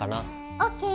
ＯＫ！